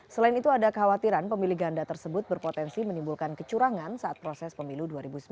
selain itu ada khawatiran pemilih ganda tersebut berpotensi menimbulkan kecurangan saat proses pemilu dua ribu sembilan belas